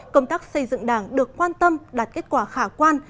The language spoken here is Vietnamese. công tác xây dựng đảng được quan tâm đạt kết quả khả quan